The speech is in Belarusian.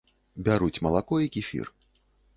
Бяруць малако і кефір.